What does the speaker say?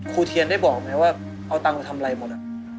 เทียนได้บอกไหมว่าเอาตังค์ไปทำอะไรหมด